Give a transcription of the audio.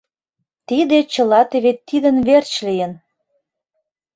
Тиде чыла теве тидын верч лийын...